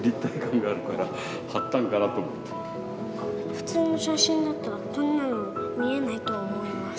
普通の写真だったらこんなの見えないと思います。